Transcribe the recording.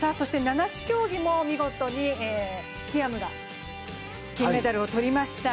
七種競技も見事にティアムが金メダルを取りました。